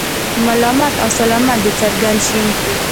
ملامت او سلامت دې څرګند شي.